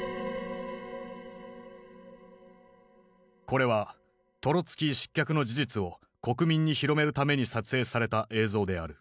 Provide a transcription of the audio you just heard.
これはトロツキー失脚の事実を国民に広めるために撮影された映像である。